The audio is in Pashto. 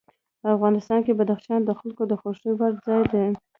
افغانستان کې بدخشان د خلکو د خوښې وړ ځای دی.